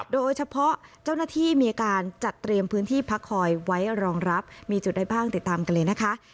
โดยเฉพาะเจ้าหน้าที่มีการจัดเตรียมพื้นที่พักคอยไว้รองรับมีจุดใดบ้างติดตามกันเลยนะคะ